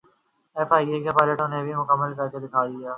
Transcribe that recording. P A F کے پائلٹوں نے بھی کمال کرکے دکھایا۔